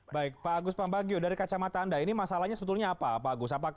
baik pak agus pambagio dari kacamata anda ini masalahnya sebetulnya apa pak agus